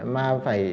mà phải ẩn rõ